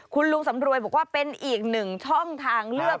คุณลุงสำรวยบอกว่าเป็นอีกหนึ่งช่องทางเลือก